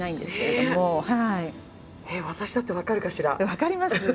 分かります。